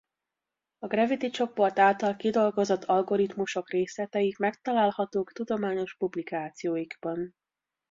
A Gravity csoport által kidolgozott algoritmusok részletei megtalálhatók tudományos publikációikban.